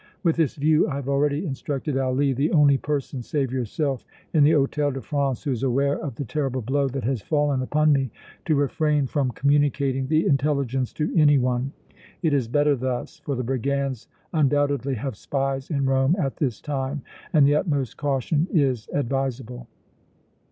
With this view I have already instructed Ali, the only person save yourself in the Hôtel de France who is aware of the terrible blow that has fallen upon me, to refrain from communicating the intelligence to any one. It is better thus, for the brigands undoubtedly have spies in Rome at this time and the utmost caution is advisable."